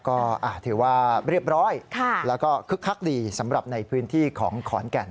ก็ถือว่าเรียบร้อยแล้วคึกคักดีสำหรับในพื้นที่ของขอนแก่น